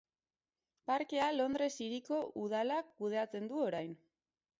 Parkea Londres Hiriko udalak kudeatzen du orain.